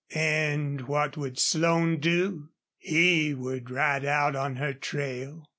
And what would Slone do? He would ride out on her trail.